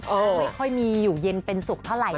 ไม่ค่อยมีอยู่เย็นเป็นสุขเท่าไหร่